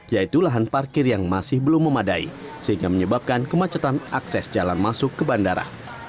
yaitu lahan parkir yang masih belum memadai sehingga menyebabkan kemacetan akses jalan masuk ke bandara